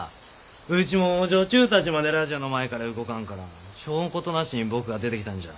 うちも女中たちまでラジオの前から動かんからしょうことなしに僕が出てきたんじゃ。